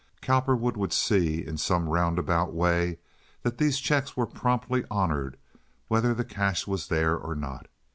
Cowperwood would see, in some roundabout way, that these checks were promptly honored, whether the cash was there or not.